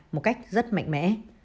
một cách rất mạnh mẽ